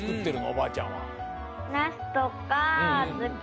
おばあちゃんは。